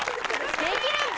できるんか。